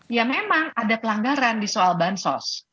ya memang ada pelanggaran di soal bansos